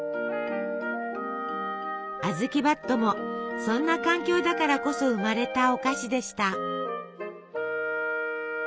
あずきばっともそんな環境だからこそ生まれたお菓子でした。